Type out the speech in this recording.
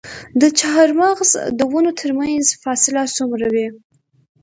د چهارمغز د ونو ترمنځ فاصله څومره وي؟